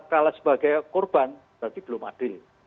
kalau sebagai korban berarti belum adil